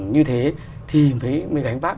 như thế thì mới gánh bác